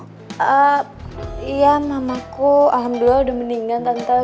ehm iya mamaku alhamdulillah udah meninggal tante